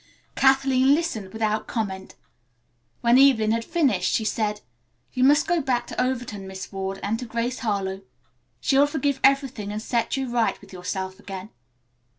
Kathleen listened without comment. When Evelyn had finished she said, "You must go back to Overton, Miss Ward, and to Grace Harlowe. She will forgive everything and set you right with yourself again."